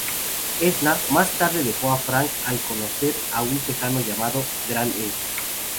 Edna, más tarde, dejó a Frank al conocer a un texano llamado "Gran Ed".